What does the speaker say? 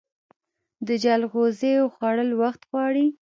د جلغوزیو خوړل وخت غواړي.